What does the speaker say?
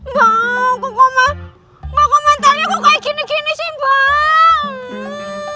mbak kok komentar komentarnya kok kayak gini gini sih mbak